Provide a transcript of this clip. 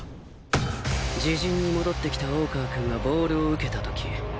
自陣に戻ってきた大川くんがボールを受けた時。